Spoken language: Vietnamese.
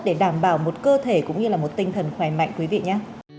để đảm bảo một cơ thể cũng như là một tinh thần khỏe mạnh quý vị nhé